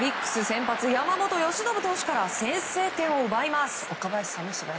先発山本由伸投手から先制点を奪います。